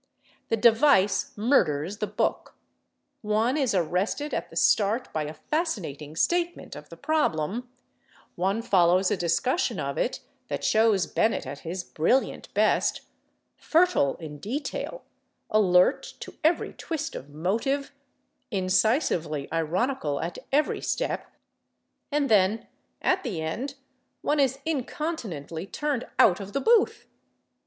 The device murders the book. One is arrested at the start by a fascinating statement of the problem, one follows a discussion of it that shows Bennett at his brilliant best, fertile in detail, alert to every twist of motive, incisively ironical at every step—and then, at the end, one is incontinently turned out of the booth.